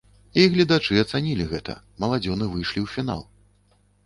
І гледачы ацанілі гэта, маладзёны выйшлі ў фінал.